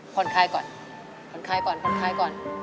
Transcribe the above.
ผ่อนคลายก่อนผ่อนคลายก่อนผ่อนคลายก่อน